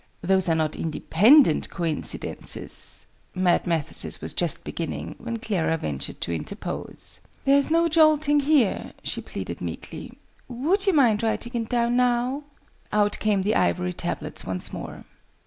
"Those are not independent coincidences " Mad Mathesis was just beginning, when Clara ventured to interpose. "There's no jolting here," she pleaded meekly. "Would you mind writing it down now?" Out came the ivory tablets once more.